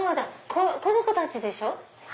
この子たちでしょ。